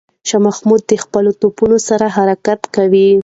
شاه محمود د خپلو توپونو سره حرکت کوي.